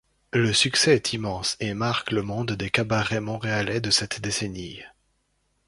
Le succès est immense et marque le monde des cabarets montréalais de cette décennie.